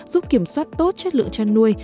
giúp kiểm soát tốt chất lượng chăn nuôi